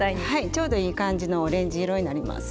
ちょうどいい感じのオレンジ色になります。